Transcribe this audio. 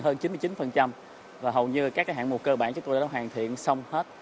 hơn chín mươi chín và hầu như các hạng mục cơ bản chúng tôi đã hoàn thiện xong hết